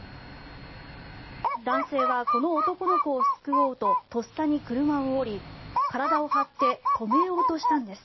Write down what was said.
男性はこの男の子を救おうととっさに車を降り体を張って止めようとしたんです。